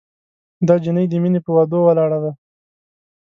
دا جینۍ د مینې پهٔ وعدو ولاړه ده